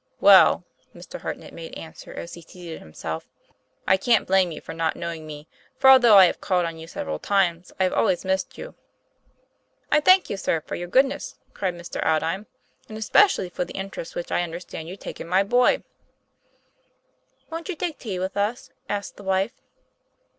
'Well," Mr. Hartnett made answer, as he seated himself, " I can't blame you for not knowing me, for although I have called on you several times I have always missed you." 'I thank you, sir, for your goodness," said Mr. Aldine, " and especially for the interest which I understand you take in my boy." 'Won't you take tea with us?" asked the wife.